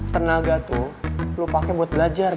tenaga tuh lo pakai buat belajar